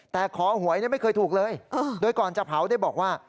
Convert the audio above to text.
แต่ขอหวยไม่เคยถูกเลยโดยก่อนจะเผาได้บอกว่า